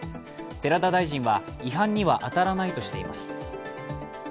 寺田大臣は、違反には当たらないとしています。